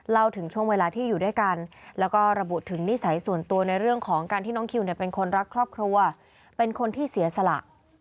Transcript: ถึงช่วงเวลาที่อยู่ด้วยกันแล้วก็ระบุถึงนิสัยส่วนตัวในเรื่องของการที่น้องคิวเนี่ยเป็นคนรักครอบครัวเป็นคนที่เสียสละ